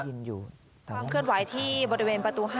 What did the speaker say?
ความเคลื่อนไหวที่บริเวณประตู๕